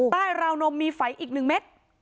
ราวนมมีไฝอีก๑เม็ด